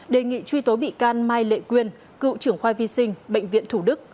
đề nghị truy tố bị can mai lệ quyên cựu trưởng khoai vi sinh bệnh viện thủ đức